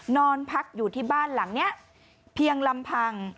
นอนพักอยู่ที่บ้านหลังนี้เพียงลำพัง